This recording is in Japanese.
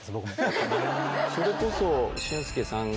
それこそ。